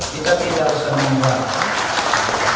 kita tidak harus sembunyi